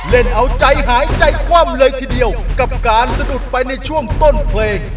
เล่นเอาใจหายใจคว่ำเลยทีเดียวกับการสะดุดไปในช่วงต้นเพลง